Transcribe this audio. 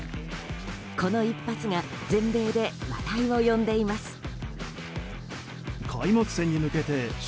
この一発が全米で話題を呼んでいます。